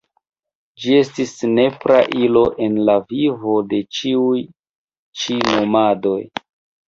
Ĝi estis nepra ilo en la vivo de ĉiuj ĉi nomadoj.